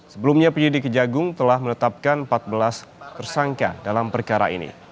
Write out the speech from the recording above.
sebelumnya pd kejaksaan agung telah meletapkan empat belas tersangka dalam perkara ini